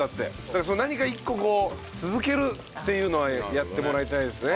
だから何か一個続けるっていうのはやってもらいたいですね。